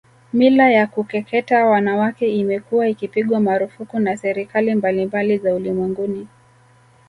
Mila ya kukeketa wanawake imekuwa ikipigwa marufuku na serikali mbalimbali za ulimwenguni